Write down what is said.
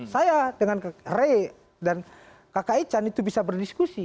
saya dengan rey dan kakak ican itu bisa berdiskusi